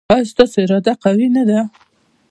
ایا ستاسو اراده قوي نه ده؟